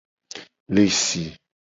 Le si.